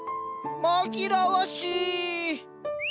紛らわしい！